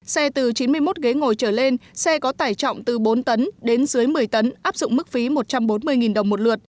xe từ chín mươi một ghế ngồi trở lên xe có tải trọng từ bốn tấn đến dưới một mươi tấn áp dụng mức phí một trăm bốn mươi đồng một lượt